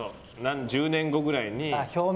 １０年後ぐらいに。